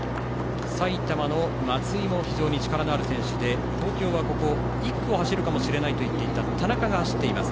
埼玉の松井も非常に力のある選手で東京は、１区を走るかもしれないと言っていた田中が走っています。